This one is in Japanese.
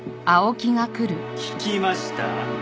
聞きました？